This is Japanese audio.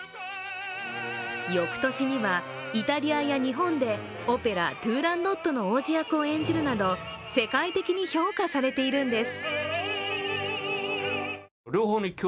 翌年にはイタリアや日本でオペラ「トゥーランドット」の王子役を演じるなど世界的に評価されているんです。